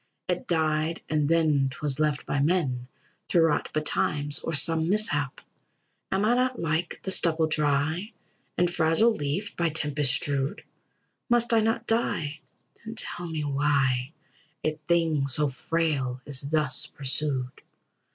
It died, and then 'twas left by men To rot betimes, or some mishap. Am I not like the stubble dry And fragile leaf by tempest strewed? Must I not die, then tell me why A thing so frail is thus pursued?